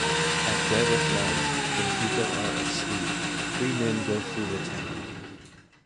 At dead of night, when people are asleep, three men go through the town.